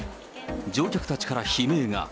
乗客たちから悲鳴が。